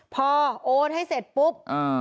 พอโอนให้เสร็จปุ๊บ